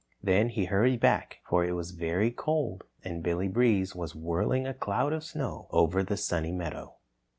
Then he hurried back, for it was very cold and Billy Breeze was whirling a cloud of snow over the Sunny Meadow.